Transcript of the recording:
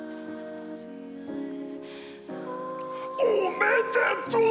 おめでとぉ！